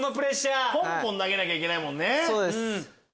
ポンポン投げなきゃいけないもんね。